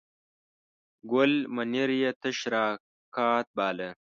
ګل منیر یې تش راکات باله.